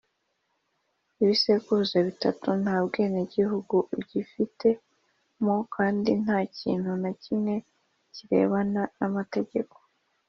ibisekuruza bitatu nta bwenegihugu ugifite mo kandi nta kintu na kimwe kirebana n' amategeko